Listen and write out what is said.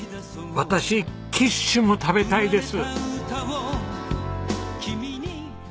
私キッシュも食べたいです。